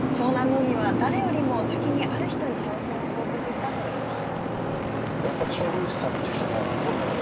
海は、誰よりも先にある人に昇進を報告したと言います。